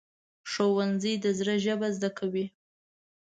ښوونځی د زړه ژبه زده کوي